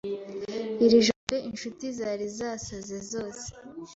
Iri joro pe inshuti zari zasaze zose